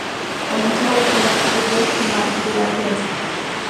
Comenzó en el fútbol marplatense.